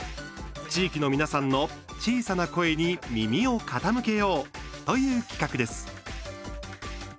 地域の皆さんの小さな声に耳を傾けようという企画です。